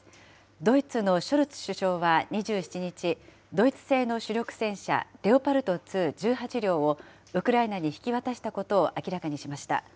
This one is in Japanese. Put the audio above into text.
ドイツのショルツ首相は２７日、ドイツ製の主力戦車レオパルト２、１８両をウクライナに引き渡したことを明らかにしました。